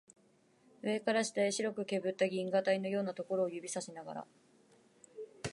上から下へ白くけぶった銀河帯のようなところを指さしながら